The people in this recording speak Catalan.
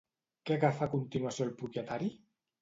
Què agafa a continuació el propietari?